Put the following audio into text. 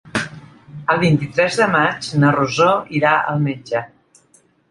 El vint-i-tres de maig na Rosó irà al metge.